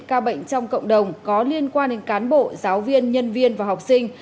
các bệnh trong cộng đồng có liên quan đến cán bộ giáo viên nhân viên và học sinh